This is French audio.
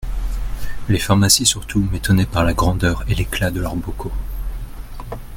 Les pharmacies surtout m'étonnaient par la grandeur et l'éclat de leurs bocaux.